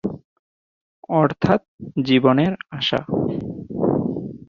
অর্থাৎ জীবনের আশা।